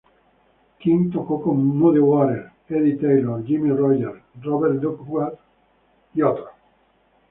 King tocó con Muddy Waters, Eddie Taylor, Jimmy Rogers, Robert Lockwood, Jr.